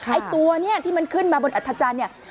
ไอ้ตัวเนี่ยที่มันขึ้นมาบนอัธจันทร์เนี่ย